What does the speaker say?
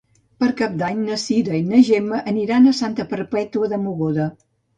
Per Cap d'Any na Cira i na Gemma aniran a Santa Perpètua de Mogoda.